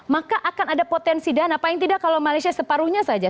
maka akan ada potensi dana paling tidak kalau malaysia separuhnya saja